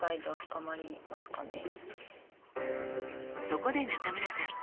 そこで中村さん